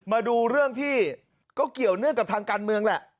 มาดูเรื่องที่ก็เกี่ยวเนื่องกับทางการเมืองแหละ